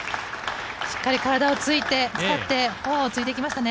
しっかり体を使ってフォアをついていきましたね。